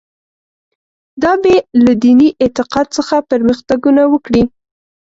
دا بې له دیني اعتقاد څخه پرمختګونه وکړي.